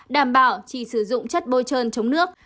đảm bảo chỉ sử dụng chất bôi trơn chống nước